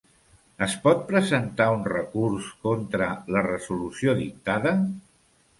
Es pot presentar un recurs contra la resolució dictada?